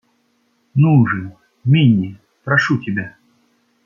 Ну же, Минни, прошу тебя.